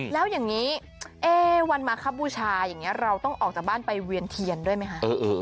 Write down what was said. แล้วอย่างนี้วันมาคบูชาอย่างนี้เราต้องออกจากบ้านไปเวียนเทียนด้วยไหมคะ